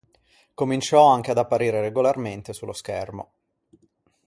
Cominciò anche ad apparire regolarmente sullo schermo.